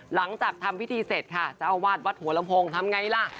หลังจากทำพิธีเสร็จค่ะเจ้าอาวาสวัดหัวลำโพงทำไงล่ะ